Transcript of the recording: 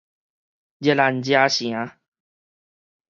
熱蘭遮城